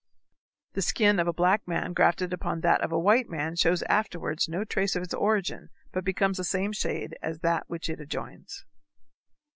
The skin of a black man grafted upon that of a white man shows afterwards no trace of its origin, but becomes the same shade as that which it adjoins.